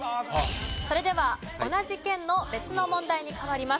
それでは同じ県の別の問題に変わります。